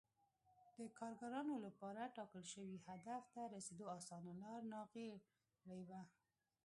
د کارګرانو لپاره ټاکل شوي هدف ته رسېدو اسانه لار ناغېړي وه